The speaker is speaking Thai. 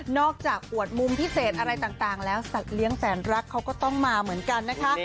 จากอวดมุมพิเศษอะไรต่างแล้วสัตว์เลี้ยงแสนรักเขาก็ต้องมาเหมือนกันนะคะ